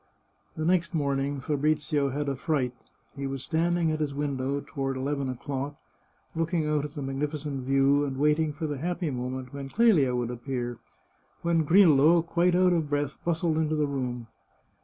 The next morning Fabrizio had a fright. He was stand ing at his window, toward eleven o'clock, looking out at the magnificent view and waiting for the happy moment when Clelia would appear, when Grillo, quite out of breath, bus tled into his room.